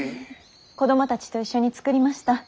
子供たちと一緒に作りました。